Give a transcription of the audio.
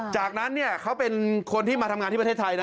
จากนั้นเขาเป็นคนที่มาทำงานที่ประเทศไทยนะ